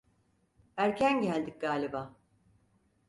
Erken geldik galiba!